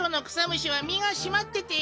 ムシは身が締まってて。